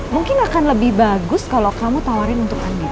mungkin akan lebih bagus kalau kamu tawarin untuk anda